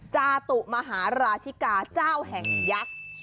จาตุมหาราชิกาเจ้าแห่งยักษ์